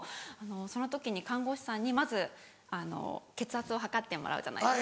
その時に看護師さんにまず血圧を測ってもらうじゃないですか。